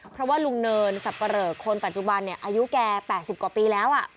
เพราะว่าลุงเนินสับปะเหลอคนปัจจุบันอายุแก๘๐กว่าปีแล้ว